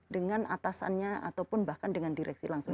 dengan atasannya ataupun bahkan dengan direksi langsung